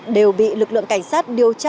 đều bị lực lượng cảnh sát điều tra